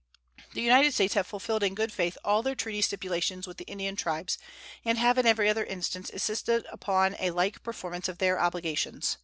The United States have fulfilled in good faith all their treaty stipulations with the Indian tribes, and have in every other instance insisted upon a like performance of their obligations.